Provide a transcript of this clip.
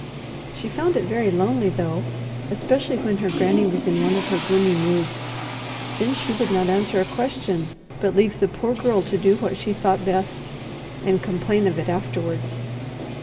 She found it very lonely though, especially when her grannie was in one of her gloomy moods. Then she would not answer a question, but leave the poor girl to do what she thought best, and complain of it afterwards.